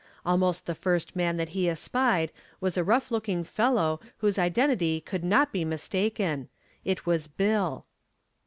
Almost the first man that he espied was a rough looking fellow whose identity could not be mistaken. It was Bill.